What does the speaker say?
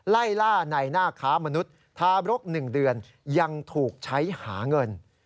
ไล่ล่าในหน้าค้ามนุษย์ทาบรก๑เดือนยังถูกใช้หาเงิน